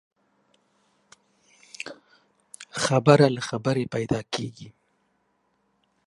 خبره له خبري پيدا کېږي.